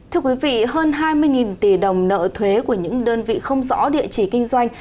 thưa quý vị hơn hai mươi tỷ đồng nợ thuế của những đơn vị không rõ địa chỉ kinh doanh